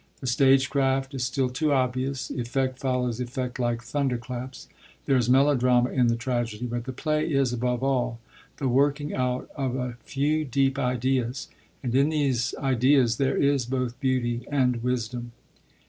The stagecraft is still too obvious; effect follows effect like thunder claps; there is melodrama in the tragedy; but the play is, above all, the working out of a few deep ideas, and in these ideas there is both beauty and wisdom.